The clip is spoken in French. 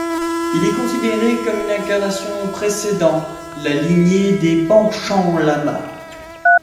Il est considéré comme une incarnation précédent la lignée des panchen-lama.